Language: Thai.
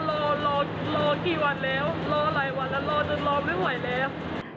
รอรอกี่วันแล้วรอหลายวันแล้วรอจนรอไม่ไหวแล้ว